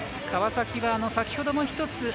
川崎は先ほども１つ